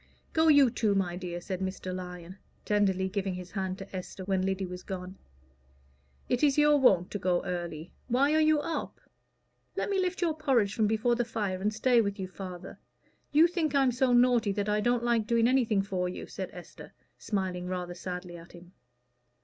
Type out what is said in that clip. "Go you too, my dear," said Mr. Lyon, tenderly, giving his hand to Esther, when Lyddy was gone. "It is your wont to go early. Why are you up?" "Let me lift your porridge from before the fire, and stay with you, father. You think I'm so naughty that I don't like doing anything for you," said Esther, smiling rather sadly at him.